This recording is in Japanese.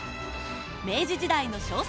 明治時代の小説